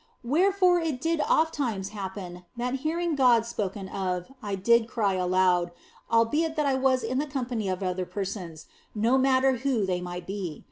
Wherefore it did oft times happen that, hearing God spoken of, I did cry aloud, albeit that I was in the company of other persons, no matter who they might be.